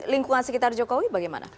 lingkungan sekitar jokowi bagaimana